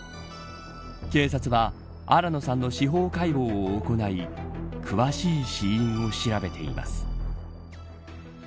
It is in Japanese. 警察は新野さんの司法解剖を行い詳しい死因を調べています。